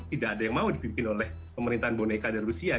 tidak ada yang mau dipimpin oleh pemerintahan boneka dan rusia